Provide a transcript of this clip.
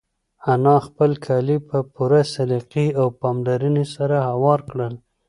انا خپل کالي په پوره سلیقې او پاملرنې سره هوار کړل.